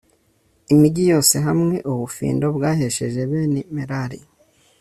imigi yose hamwe ubufindo bwahesheje bene merari